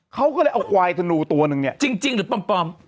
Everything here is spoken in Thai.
เขาก็เลยเอาควายธนูตัวหนึ่งเนี่ยจริงหรือปลอม